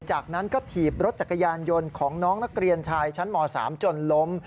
จากนั้นก็ถีบรถจักรยานยนต์ของน้องนักเรียนชายชั้นม๓จนล้ม